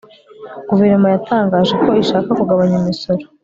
guverinoma yatangaje ko ishaka kugabanya imisoro